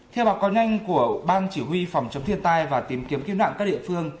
theo báo cáo nhanh của ban chỉ huy phòng chống thiên tai và tìm kiếm cứu nạn các địa phương